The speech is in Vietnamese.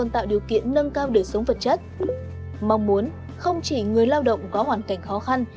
tạo điều kiện nâng cao đời sống vật chất mong muốn không chỉ người lao động có hoàn cảnh khó khăn